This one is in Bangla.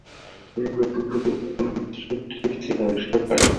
তিনি প্রোটিন-পরিপাককারী উৎসেচক ট্রিপসিন আবিষ্কার করেন।